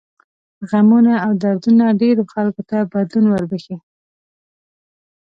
غمونه او دردونه ډېرو خلکو ته بدلون وربښي.